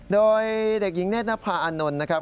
โดยเด็กหญิงเนธนภาอานนท์นะครับ